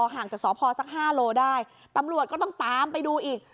ห่างจากสพสัก๕โลได้ตำรวจก็ต้องตามไปดูอีก